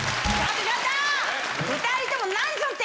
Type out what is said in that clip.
２人とも。